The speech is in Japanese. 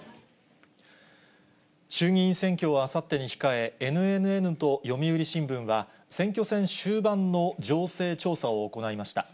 衆議院選挙をあさってに控え、ＮＮＮと読売新聞は、選挙戦終盤の情勢調査を行いました。